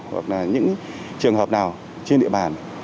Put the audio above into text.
hoặc là những trường hợp nào trên địa bàn